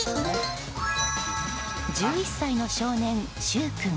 １１歳の少雨年、柊君。